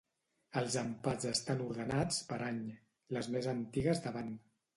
Els empats estan ordenats per any, les més antigues davant.